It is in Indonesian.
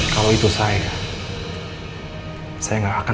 sampai jumpa di video selanjutnya